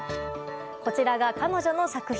こちらが彼女の作品。